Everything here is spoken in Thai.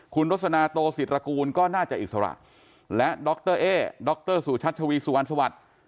คุณรสนาโตศิตรกูลก็น่าจะอิสระและดรเอ๊ดรสุชัชวีสุวรรณสวัสดิ์